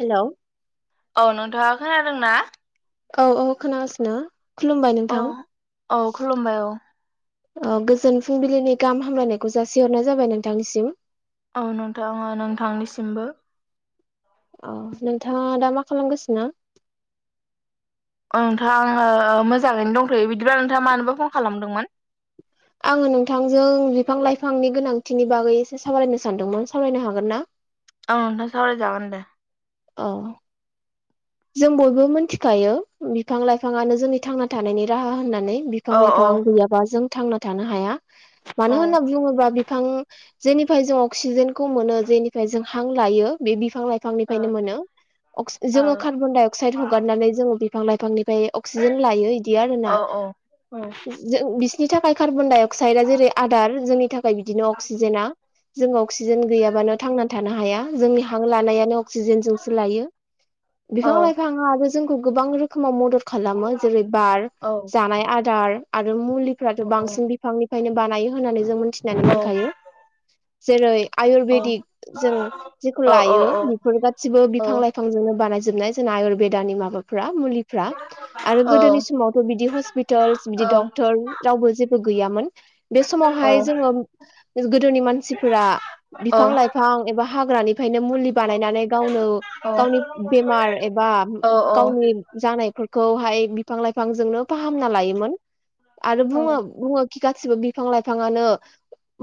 Hello औ नोंथाङा खोनादोंना औ औ खोनागासिनो खुलुमबाय औ नोंथां औ खुलुमबाय औ गोजोन फुंबिलिनि गाहाम हामलायनायखौ जासिहरनाय जाबाय नोंथांनिसिम औ नोंथां ओ नोंथांनिसिमबो औ नोंथाङा दा मा खालामगासिनो ओ नोंथाङा आङो मोजाङैनो दंथ'यो बिदिब्ला नोंथाङा मानोबा फन खालामदोंमोन। आङो नोंथांजों बिफां लाइफांनि गोनांथिनि बागै एसे सावरायनो सानदोंमोन सावरायनो हागोन ना औ नोंथां सावरायजागोन दे औ जों बयबो मिथिखायो बिफां लाइफाङानो जोंनि थांना थानायनि राहा होननानै औ बिफां औ लाइफां गैयाबा जों थांना थानो हाया मानो औ होनना बुङोबा। बिफां जेनिफ्राय जों अक्सिजेनखौ मोनो जेनिफ्राय जों हां लायो बे बिफां लाइ औ बिफांनिफ्रायनो मोनो औ जोङो कार्बन डाय अक्साइड हगारनानै जों बिफां लाइफांनिफ्राय अक्सिजेन लायो बिदि आरोोना औ जों बिसोरनि थाखाय कार्बन डाइ अक्साइडआ जेरै आदार जोंनि थाखाय बिदिनो अक्सिजेना। जोंङो अक्सिजेन गैयाबानो थांनानै थानो हाया जोंनि हां लानायानो अक्सिजेनजोंसो लायो औ बिफां लाइफाङा आरो जोंखौ गोबां रोखोमाव मदद खालामो जेरै बार औ जानाय आदार आरो मुलि फ्राथ' औ बांसिन बिफांनिफ्रायनो बानायो होननानै जों मोनथिनानै मोनखायो जेरै आयुरवेदिक जों जेखौ औ औ लायो औ बेफोर गासिबो औ बिफां लाइफां बिफांजोंनो बानायजोबनाय जोंना आयुरवेदानि माबाफ्रा मुलिफ्रा आरो गोदोनि समावथ' बिदि हस्पितालस बिदि डक्टर रावबो जेबो गैयामोन बे समावहाय जोङो गोदोनि मानसिफोरा बिफां लाइफां एबा हाग्रानिफ्रायनो मुलि बानायनानै गावनो गावनि बेमार एबा गावनि जानायफोरखौहाय बिफां लाइफांजोंनो फाहामना लायोमोन आरो बुङो बुङो खि गासिबो बिफां लाइफाङानो।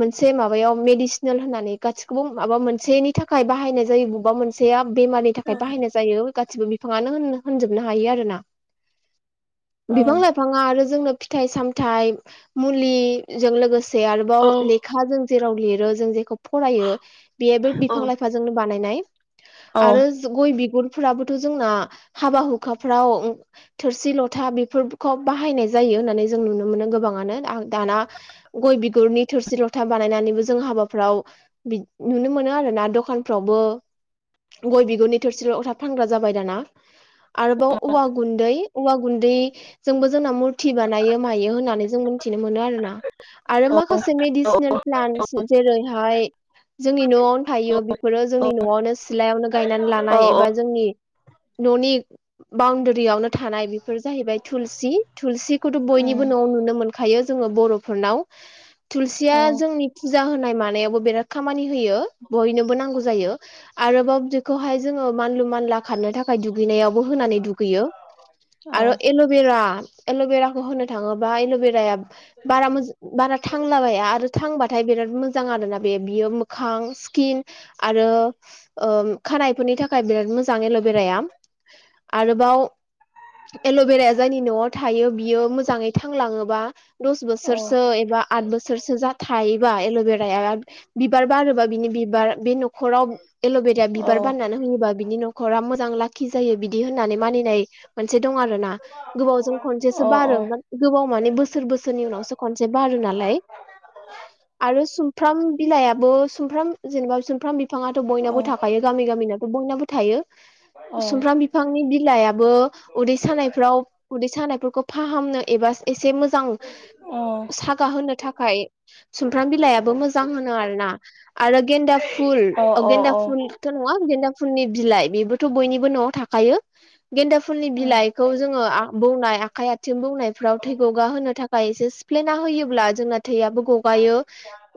मोनसे माबायाव मेडिसिनेल होननानै गासिखौबो माबा मोनसेनि थाखाय बाहायनाय जायो बबेबा मोनसे [unintelligible] बेमारि। बाहायनाय जायो गासिबो बिफाङानो होनजोबनो हायो आरोना बिफां लाइफां बिफाङा आरो जोंनो फिथाइ सामथाइ मुलि जों लोगोसे आरोबाव लखा जों जेराव लिरो जों जेखौ फरायो बेबो औ बिफां लाइफां जोंनो बानायनाय औ आरो गय बिगुरफोराबोथ' जोंना हाबा हुखाफ्राव थोरसि लथा बेफोरखौ बाहायनाय जायो होननानै जों नुनो मोनो गोबाङानो दाना। गय बिगुरनि थोरसि लथा बानायनानैबो जों हाबाफ्राव नुनो मोनो आरोना दखानफ्रावबो गय बिगुरनि थोरसिल' लथाब फानग्रा जाबाय दाना आरोबाव औवा गुन्दै। औवा गुन्दै जोंबो जोंना मुर फुथि बानायो मायो होननानै जों मिथिनो मोनो आरोना आरो अ नंगौ माखासे मेदिसिनेल अ लान्स जेरैहाय जोंनि न'आवनो थायो बेफोरो जोंनि न'आवनो सिलायावनो गायनानै अ लानाय एबा जोंनि। न'नि बाउनडारियावनो थानाय बेफोर जाहैबाय थुलसि थुलसिखौथ' बयनिबो न'आव नुनो मोनखायो जोङो बर'फोरनाव थुलसिया जोंनि फुजा होनाय मानायावबो बिराद खामानि होयो बयनोबो नांगौ जायो आरोबाव बेखौहाय जो मानलु मानला खारनो थाखाय दुगैनायावबो होनानै दुगैयो आरो एल एरा एल'भेराखौ होनो थाङोबा एल'भेरा बारा मो-बारा थांलाबाया आरो थांबाथाय बिराद मोजां। आरोना बे बियो मोखां स्किन आरो ओ खानाइ बे फोरनि थाखाय बिराद मोजां एल'भेराया आरोबाव एल'बेराया जायनि न'आव थायो बियो मोजाङै थांलाङोबा दस बोसोरसो एबा। आद बोसोरसो जा थायोबा एल'भेराया। बिबार बारोबा बिनि बिबार बे न'खराव एल'बेरा बिबार बाननानै होयोबा बिनि नख'रा मोजां लाखि खि जायो बिदि होननानै मानिनाय मोनसे दं आरोना गोबावजों खनसेसो बारोमोन। गोबाव माने बोसोर बोसोरनि उनावसो खनसे बारो नालाय आरो सुमफ्राम। बिलाइआबो सुमफ्राम जेनेबा सुमफ्राम बिफाङाथ' बयनाबो थाखायो गामि गामिनाथ' बयनावबो थायो। समब्राम बिफां बिफांनि बिलाइाबो उदै सानायफ्राव उदै सानायफोरखौ फाहामनो एबा एसे मोजां सागा होनो थाखाय सुमफ्राम बिलाइाबो मोजां होनो आर ना आरो गेन्दा फुल औ गेन्दा फुल थ' नङा गेन्दा फुलनि बिलाइ बेबोथ' बयनिबो न'आव थाखायो गेन्दा फुलनि बिलाइखौ जोङो बौनाय आखाइ आथिं बौनायफ्राव थै ग'गा होनो थाखाय। सिफ्लेना होयोब्ला जोंना थैआबो गगायो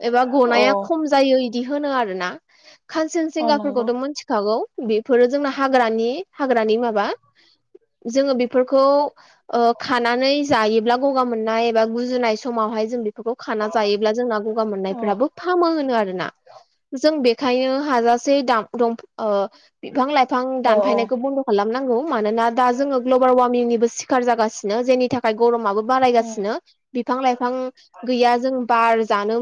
एबा औ गनाया खम जा बिदि होनो आरोना खानसे अ नंगौ मोनथिखागौ बेफोरो जोंना हाग्रानि हाग्रानि माबा? जोङो बेफोरखौ ओ खानानै जायोब्ला गगा मोननाय एबा गुजुनाय समावहाय जों खाना जायोब्ला जोंना गगा औ मोननायफ्राबो फामो होनो आरोना जों बे बेंखायनो हाजासे ओ बिफां लाइफां औ औ दानफायनायखौ बन्द खालामनांगौ मानोना दा जोङो ग्लबेल वार्मिंनिबो सिखार जागासिनो जेनि थाखाय। गरमाबो औ बारायगासिनो बिफां लाइफां गैया जों बार जानो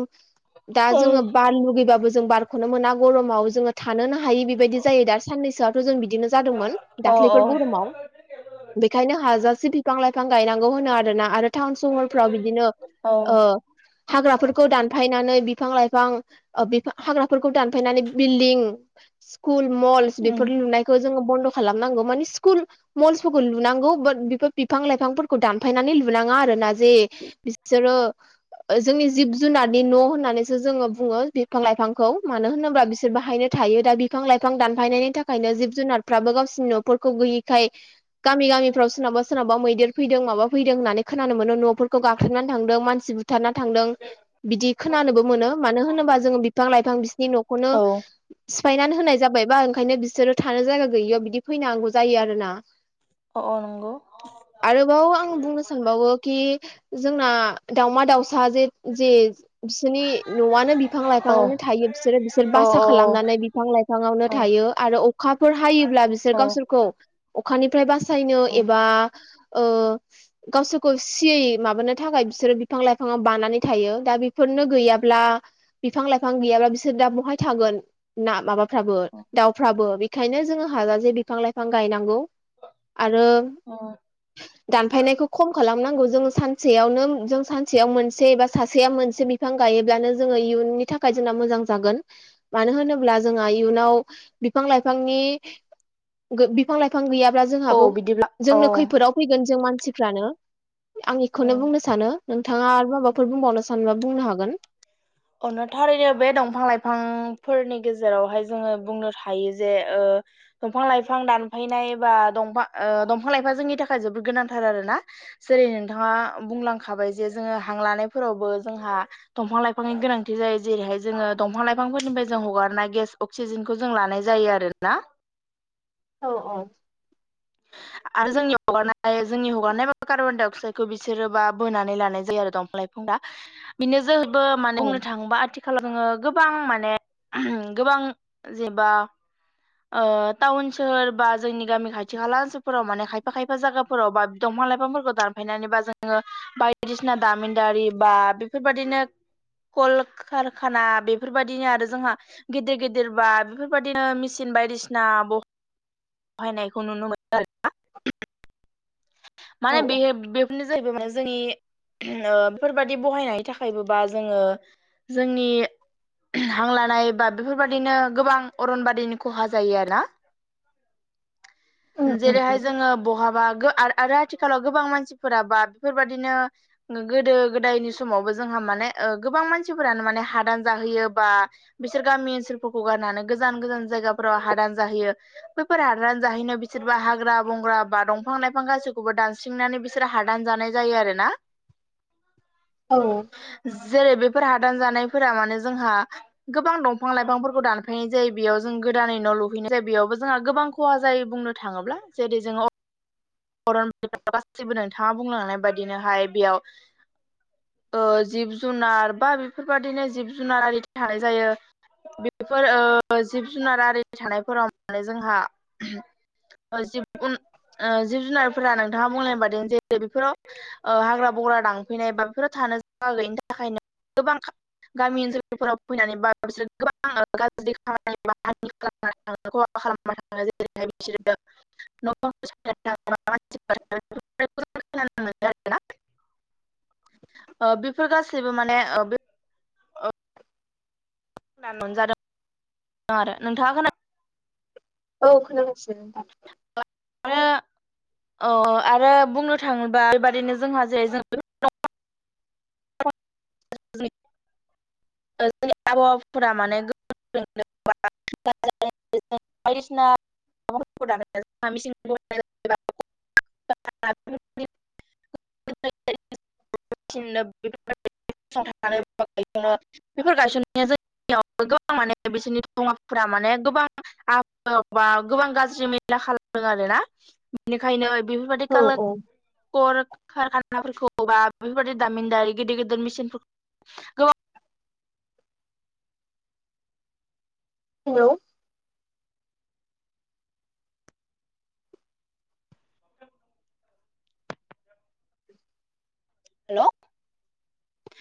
दा जोङो बार लुगैबाबो जों बारखौनो मोना गरमाव जोङो। थानोनो हायि बेबायदि जायो दा साननैसोआथ' जों बिदिनो जादोंमोन औ दाख्लैफोर गरमाव। बेखायनो हाजासे बिफां लाइफां गायनांगौ होनो आरोना आरो। टाउन सहरफ्राव बिदिनो हाग्राफोरखौ दानफायनानै बिफां लाइफां। हाग्राफोरखौ दानफायनानै बिल्डिं स्कुल मलस बेफोर लुनाय। जोङो बन्द' खालामनांगौ मानि स्कुल मल्सफोरखौ लुनांगौ बाट बेफोर बिफां लाइफांफोरखौ दानफायनानै लुनाङा आरोना जे बिसोरो जोंनि जिब जुनारनि न' होननानैसो जोङो बुङो बिफां-लाइफांखौ मानो होनोब्ला बिसोर बाहायनो। थायो दा बिफां-लाइफां दानफायनायनि थाखायनो जिब जुनारफ्राबो गावसिनि न'फोरखौ गैयैखाय। गामि गामिफ्राव सोरनावबा सोरनावबा मैदेर फैदों माबा फैदों होननानै खोनानो मोनो न'फोरखौ गाख्लेबनानै थांदों मानसि बु बुथारना थांदों बिदि खोनानोबो मोनो मानो होनोबा जोङो बिफां-लाइफां बिसिनि न'खौनो। सिफायनानै होनाय जाबायबा ओंखायनो बिसोरो थानो जायगा गैयियाव बिदि फैनांगौ जायो आरो ना। अ अ नंगौ। आरोबाव आं बुंनो सानबावो कि जोंना दावमा दावसा जे जे बिसोरनि न'आनो बिफां लाइफांावनो थायो बिसोरो बिसोर बासा खालामनानै। बिफां लाइफाङावनो थायो आरो अखाफोर हायोब्ला बिसोर औ गावसोरखौ। अखानिफ्राय बासायनो एबा ओ गावसोरखौ सियै माबानो थाखाय बिसोरो बिफां लाइफाङाव बानानै थायो दा फोरनो गैयाब्ला बिफां लाइफां गैयाब्ला बिसोर दा बहाय थागोन। ना माबाफ्राबो दाउफ्राबो। बेखायनो जोङो हाजासे बिफां लाइफां गायनांगौ आरो। ओम। [inaudible] दानफायनायखौ खम खालामनांगौ जों सानसेयावनो जों सानसेयाव मोनसे एबा सासेया मोनसे बिफां गायोब्लानो जोङो इयुननि थाखाय जोंना मोजां जागोन मानो होनोब ब्ला जोंहा इयुनाव बिफां लाइफांनि बिफां लाइफां गैयाब्ला औ जोंहाबो बिदिब्ला औ जोंनो खैफोदाव फैगोन जों मानसिफ्रानो आं औ बेखौनो बुंनो सानो नोंथाङा आरो औ माबाफोर बुंबावनो सानबा बुंनो हागोन। अनो थारैनो बे दंफां लाइफांफोरनि गेजेरावहाय जोङो बुंनो हायो जे ओ दंफां लाइफां दानफानाय बा दंफा- दंफां लाइफां जोंनि थाखाय जोबोद गोनांथार आरो ना। जेरै नोंथाङा बुंलांखाबाय जे जोङो हां लानायफोरावबो जोंहा दंफां लाइफां फांनि गोनांथि जायो जेरैहाय जोङो दंफां लाइफांफोरनिफ्राय जों हगारनाय गेस अक्सिजेनखौ जों लानाय जायो आरोना। औ औ। आरो जोंनि हगारनाय जोंनि हगारनाय ब कार्बनडाय अक्साइदखौ बिसोरोबा बोनानै लानाय जायो आरो दंफा लाय दा बिनो जोहै बो औ माने बुंनो थाङोबा आथिखालाव जोङो गोबां माने गोबां जेबा ओ टाउन सहोर बा जोंनि गामि खाथि खाला ओनसोलफोराव माने खायफा खायफा जागा फ्राव बा दंफां लाइफांफोरखौ दानफायनानैबा जोङो बायदिसिना दामिन दारि बा बेफोरबायादिनो कलकारखाना बेफोरबायदिनो आरो जोंहा गिदिर गिदिर बा बेफोरबायदिनो मिसि बायदिसिना बो बहायनायखौ नुनो मोनो। औ माने बे [unintelligible] जाहैबाय मान जोंनि बेफोरबादि बहायनायनि थाखायबो बा जोङो जोंनि हां लानाय बा बेफोरबायाददिनो गोबां अरनबादिनि खहा जायो आरो नाव उम उम जेरैहाय उम जोङो बहाबा गो आरो आथिखालाव गोबां मानसिफोराबा बेफोरबाददिनो गोदो गोदायनि समावबो जोंहा माने गोबां मानसिफोरानो माने हादान जाहोयो बा बिसोर गामि ओनसोलफोरखौ गारनानै गोजान गोजान जायगाफोराव हादान जाहैयो। हादान जाहैनो बिसोरबा हाग्रा बंग्रा बा दंफां लाइफां गाैखौबो दानस्रिनानै बि सोर हादान जानाय जायो आरो ना। औ। जेरै बेफोर हादान जानायफोरा माने जोंहा गोबां दंफां लाइफांफोरखौ दानफायनाय जायो बेयाव जों गोदानै न' लुहैनाय जायो बेयावबो जोंहा गोबां खहा जायो बुंनो थाङोब्ला जेरै जोङो [unintelligible] गासिबो नोंथाङा बुंलांनाय बायदिनोहाय बेयाव ओ जिब जुनार बा बेफोरबाददिनो जिब जुनार आरि थानाय जायो। बेफोर जिब जुनार आरि थानायफोराव माने जोंहा जिबु उन ओ जिब जुनारफोरा नोंथाङा बुंनायबादिनो जे बेफोराव ओ हाग्रा बग्रा दांफैनाय बा बेफोर थानो गैयिनि थाखायनो गोबां गामि ओनसोलफोराव फैनानै बा बिसोरो गोबां गाज्रि खामानि [unintelligible] [unintelligible] [unintelligible] ओ बेफोर गासैबो माने ओ [unintelligible] आरो नोंथाङा खोना औ खोनागासिनो नोंथां। आरो [inaudible] अ आरो बुंनो थाङोबा बेबादिनो जोंहा जेरै जों [unintelligible] जोंनि आबहावबाफोरा माने [unintelligible] बायदिसिना [unintelligible] [unintelligible] [inaudible] [unintelligible] [unintelligible] बिसोरनि दमाफोरा माने गोबां [unintelligible] गोबां गाज्रि [unintelligible] खालामदों आरोना बिनिखायनो बेफोरबायदि औ औ खानाफोरखौ बा बेफोरबादि दामिनदारि गिदिर गिदिर मेसिन गोबां हेल' [inaudible] हेल'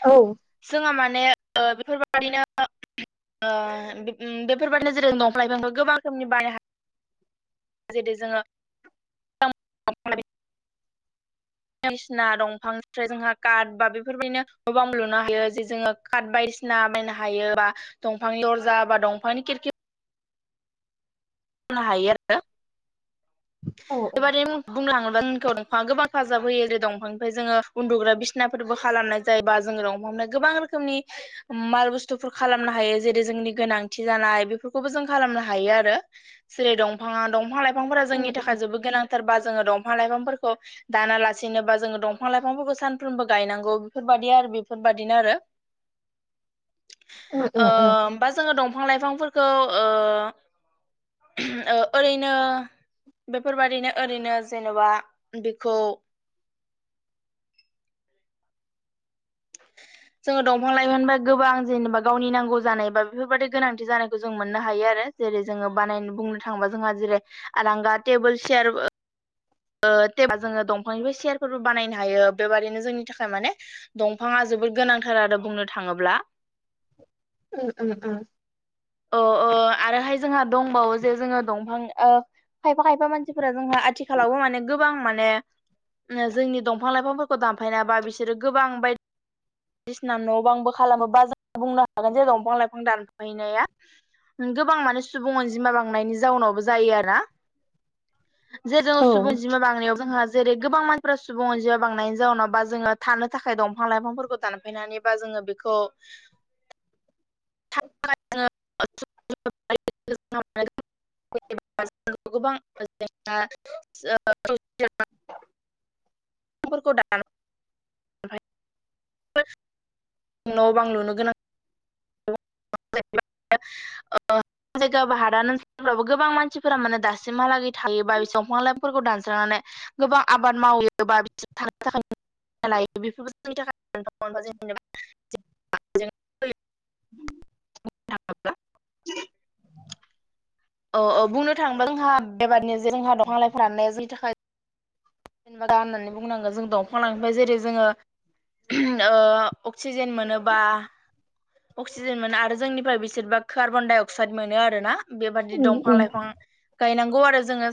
औ जोंहा माने ओ बेफोरबादिनो बेफोरबादिनो जेर दंफां लाइफांखौ गोबां रोखोमनि बानायनो हायो। जेरै जोङो दंफां लाइफां बायदिसिना दंफांनिफ्राय जोंहा कारट बा बेफोरबायदिनो गोबां लुनो हायो जे जोङो काट बायसिना बायनो हायो बा दंफांनि दरजा बा दंफांनि खिरखि बुंनो हायो आरो औ बेबादि बुंलाङोबा नोंखौ दंफां गोबां हेफाजाब होयो ओेरै दंफांनिफ्राय जोङो उन्दुग्रा बिसिनाफोरबो खालामनाय जायो बा जोङो दंफांनिफ्राय गोबां रोखोम जोंनि माल बुस्थुफोर खालामनो हायो जेरै जोंनि गोनांथि जानाय बेफोरखौबो जों खालामनो हायो आरो। जेरै दंफाङा दंफां लाइफांफोरा उम जोंनि थाखाय जोबोद गोनांथार बा जोङो दंफां लाइफांफोरखौ दानालासिनोबा जोङो दंफां लाइफांफोरखौ सानफ्रोमबो गायनांगौ बेफोरबायदि आरो बेफोरबादिनो आरो [inaudible] उम ओ उम बा जोङो दंफां लाइफांफोरखौ ओ ओरैनो बेफोरबादिनो ओरैनो जेनेबा बेखौ [inaudible] जोङो दंफां लाइमोनबा गोबां जेनेबा गावनि नांगौ जानाय बा बेफोरबाददि गोनांथि जानायखौ जों मोननो हायो आरो। जेरै जोङो बानायनो बुंनो थाङोबा जोंहा जेरै आरांगा टेबोल चियारबो ओ टे- जोङो दंफांनिफ्राय सेयारफोरबो बानायनो हायो। बेबादिनो जोंनि थाखाय माने दंफाङा जोबोद गोनांथार आरो बुंनो थाङोब्ला। उ उ उ अ ओ- आरोहाय जोंहा दंबावो जे जोङो दंफां ओ खायफा खायफा मानसि मानसिफोरा जोंहा आथिखालावबो माने गोबां माने जोंनि दंफां लाइफांफोरखौ दानफायनाबा बिसोरो गोबां बायदि बिसिना न'आव बांंबो खालामो बा बुंनो हागोन जायगा दंफां लाइफां दान नाया गोबां माने सुबुं अनजिमा बांनायनि जाउनावबो जायो आरो ना। जे जोङो औ सुबुंजमा बांनायाव जोंहा जेरै गोबां मानसिफ्रा सुबुं अनजिमाया बांनायनि जाउनाव बा जोङो थानो थाखाय दंफां लाइफांफोरखौ दानफायनानैबा जोङो बेखौ [inaudible] [unintelligible] गोबां ज [unintelligible] [unintelligible] ब [unintelligible] न' बां लुनो गोनां [unintelligible] [inaudible] [unintelligible] होमबाबो गोबां मानसिफोरा माने दासिमहालागै थायोबा बे दंफां लाइफोरखौ दानस्रांनानै गोबां आबाद मावोबा बिसोर थांनो [unintelligible] बेफोरबो जोंनि थाखाय [unintelligible] [inaudible] [unintelligible] औ औ बुंनो थाङोबा जोंहा बेबायदिनो जे जोंहा दंफा लाइफाफोरा जोंनि थाखाय जेनेबा गा होननानै बुंनांगोन जों दंफां लाइफांनिफ्राय जेरै जोङो अक्सिजेन मोनोबा अक्सिजेन मोनो आरो जोंनिफ्राय बिसोरबा कार्बन डाइ अक्साइड मोनो आरो ना बेबादि उम दंफां उम लाइफां गायनांगौ आरो जोङो